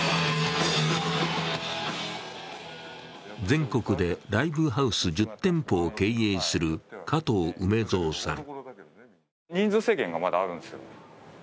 全国でライブハウス１０店舗を経営する加藤梅造さん。